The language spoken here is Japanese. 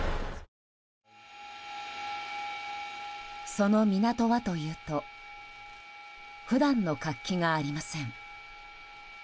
その港はというと普段の活気がありません。